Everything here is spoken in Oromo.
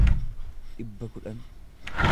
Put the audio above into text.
dhibba kudhan.